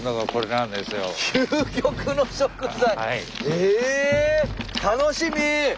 ええ楽しみ！